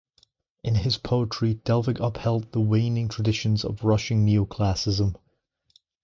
In his poetry, Delvig upheld the waning traditions of Russian Neoclassicism.